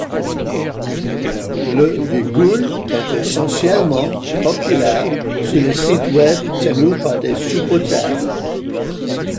Le ' est essentiellement populaire sur les sites web tenus par des supporters.